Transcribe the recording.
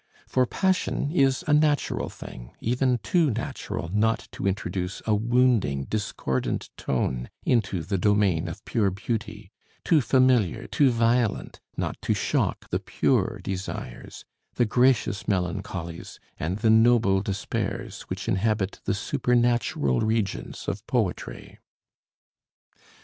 For passion is a natural thing, even too natural not to introduce a wounding, discordant tone into the domain of pure beauty; too familiar, too violent, not to shock the pure Desires, the gracious Melancholies, and the noble Despairs which inhabit the supernatural regions of poetry."